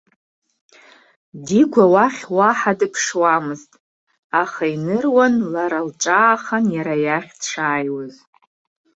Дигәа уахь уаҳа дыԥшуамызт, аха иныруан лара лҿаахан иара иахь дшааиуаз.